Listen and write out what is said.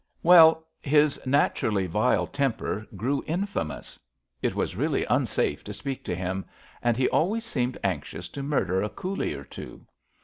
"Well, his naturally vile temper grew in famous. It was really unsafe to speak to him, and he always seemed anxious to murder a coolie or two.